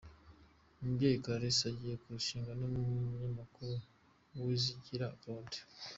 Umubyeyi Clarisse ugiye kurushinga n'umunyamakuru Kwizigira Claude.